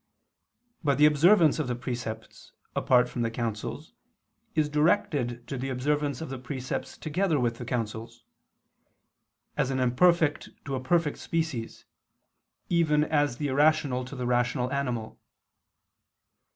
But the observance of the precepts apart from the counsels is directed to the observance of the precepts together with the counsels; as an imperfect to a perfect species, even as the irrational to the rational animal.